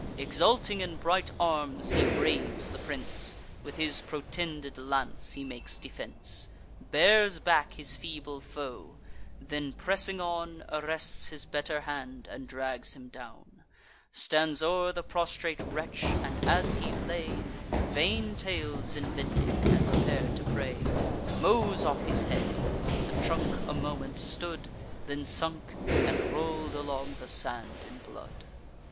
Exulting in bright arms, he braves the prince: With his protended lance he makes defence; Bears back his feeble foe; then, pressing on, Arrests his better hand, and drags him down; Stands o'er the prostrate wretch, and, as he lay, Vain tales inventing, and prepar'd to pray, Mows off his head: the trunk a moment stood, Then sunk, and roll'd along the sand in blood.